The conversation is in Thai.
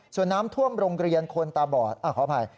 ส่วนน้ำท่วมโรงเรียนคนตาบอดขออภัย